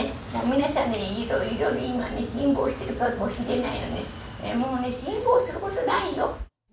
皆さん、いろいろ今ね、辛抱してるかもしれないけどね、もうね、辛抱することないよ。